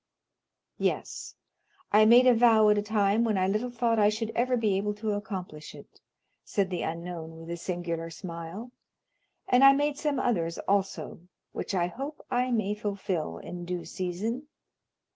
"Yes. I made a vow at a time when I little thought I should ever be able to accomplish it," said the unknown with a singular smile; "and I made some others also which I hope I may fulfil in due season."